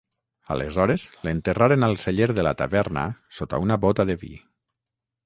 Aleshores, l'enterraren al celler de la taverna sota una bóta de vi.